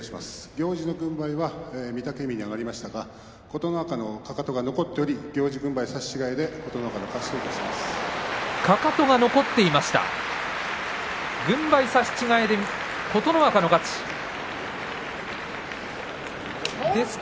行司軍配は御嶽海に上がりましたが琴ノ若のかかとが残っており行司軍配差し違えで琴ノ若の勝ちといたします。